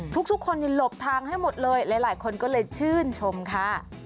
ทุกคนหลบทางให้หมดเลยหลายคนก็เลยชื่นชมค่ะ